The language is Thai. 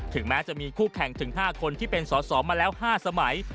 แม้จะมีคู่แข่งถึง๕คนที่เป็นสอสอมาแล้ว๕สมัย